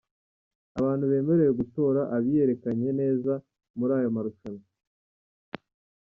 Abantu bemerewe gutora abiyerekanye neza muri ayo marushanwa.